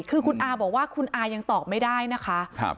คือคุณอาบอกว่าคุณอายังตอบไม่ได้นะคะ